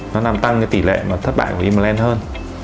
nó làm tăng cái tỉ lệ thất bại của im lên hơn